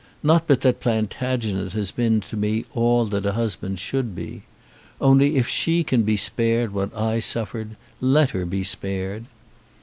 "Not but that Plantagenet has been to me all that a husband should be. Only if she can be spared what I suffered, let her be spared."